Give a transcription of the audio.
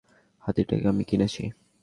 হাতিটা আমি কিনেছি।